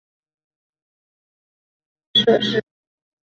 丁香路附近设施